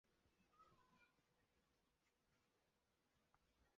贩售高阶电器用品